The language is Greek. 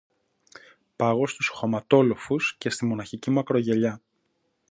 Πάγω στους χωματόλοφους και στη μοναχική μου ακρογιαλιά